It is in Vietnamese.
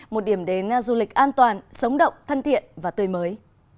một điểm đến du lịch an toàn sống động thân thiện và tươi mới